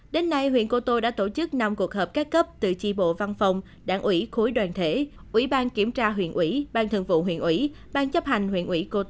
đến nay huyện cô tô đã tổ chức năm cuộc hợp các cấp từ chi bộ văn phòng đảng ủy khối đoàn thể